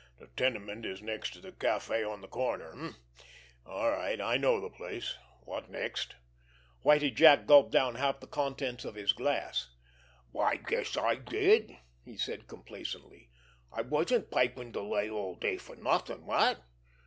"The tenement is next to the café on the corner, eh? All right, I know the place. What next?" Whitie Jack gulped down half the contents of his glass. "I guess I did," he said complacently. "I wasn't pipin' de lay all day for nothin'—wot?